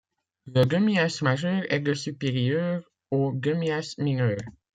Le demi-axe majeur est de supérieur au demi-axe mineur.